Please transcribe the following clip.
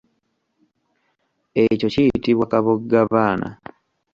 Ekyo kiyitibwa koboggabaana.